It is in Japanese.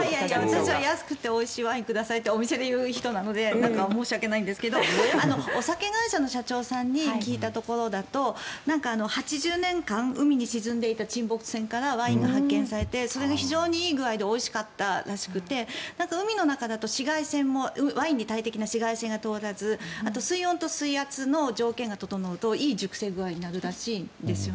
私は安くておいしいワインくださいってお店で言う人なので申し訳ないんですけどお酒会社の社長さんに聞いたところだと８０年間、海に沈んでいた沈没船からワインが発見されてそれが非常にいい具合でおいしかったらしくて海の中だと紫外線もワインに大敵な紫外線が通らず水温と水圧の条件が整うといい熟成具合になるらしいです。